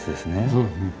そうですね。